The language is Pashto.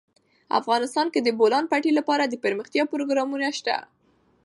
افغانستان کې د د بولان پټي لپاره دپرمختیا پروګرامونه شته.